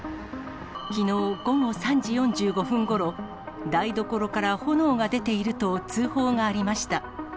きのう午後３時４５分ごろ、台所から炎が出ていると通報がありました。